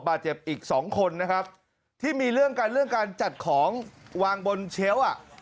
บาดเจ็บอีกสองคนนะครับที่มีเรื่องกันเรื่องการจัดของวางบนเชลล์อ่ะ